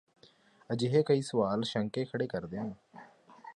ਅਜਿਹੇ ਕਈ ਸਵਾਲ ਸ਼ੰਕੇ ਖੜ੍ਹੇ ਕਰਦੇ ਹਨ